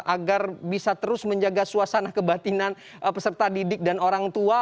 agar bisa terus menjaga suasana kebatinan peserta didik dan orang tua